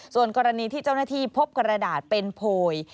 ส่วนกรณีที่เจ้าหน้าที่พบกระดาษเป็นโพย